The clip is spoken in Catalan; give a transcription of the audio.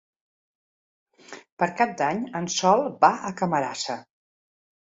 Per Cap d'Any en Sol va a Camarasa.